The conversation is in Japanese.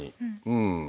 うん。